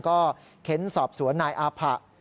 ก็เค้นสอบสวนนายอาผะ